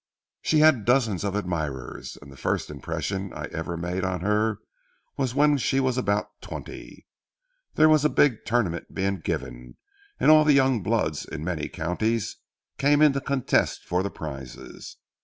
"She had dozens of admirers, and the first impression I ever made on her was when she was about twenty. There was a big tournament being given, and all the young bloods in many counties came in to contest for the prizes.